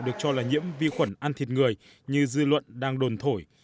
được cho là nhiễm vi khuẩn ăn thịt người như dư luận đang đồn thổi